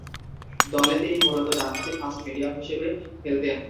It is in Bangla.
দলে তিনি মূলতঃ ডানহাতি ফাস্ট-মিডিয়াম হিসেবে খেলতেন।